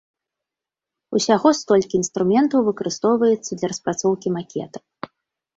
Усяго столькі інструментаў выкарыстоўваецца для распрацоўкі макета.